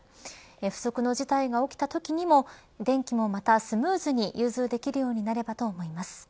不測の事態が起きたときにも電気もまたスムーズに融通できるようになればと思います。